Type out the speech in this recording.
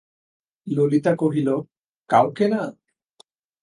ললিতা কহিল, কাউকে না?